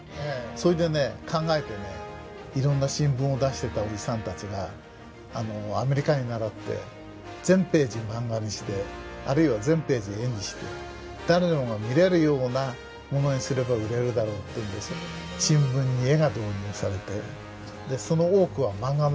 それでね考えてねいろんな新聞を出してたおじさんたちがアメリカに倣って全ページマンガにしてあるいは全ページ絵にして誰もが見れるようなものにすれば売れるだろうってんで新聞に絵が導入されてその多くはマンガの絵になったんです。